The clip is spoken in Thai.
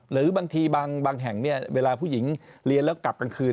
หรือบางทีบางแห่งเวลาผู้หญิงเรียนแล้วกลับกลางคืน